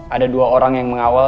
ada dua orang yang mengawal